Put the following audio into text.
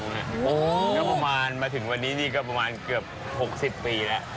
ก็ประมาณมาถึงวันนี้นี่ก็เกือบ๖๐ปีแล้ว